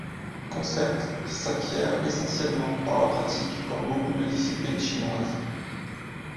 Concepts qui s'acquièrent essentiellement par la pratique comme beaucoup de disciplines chinoises.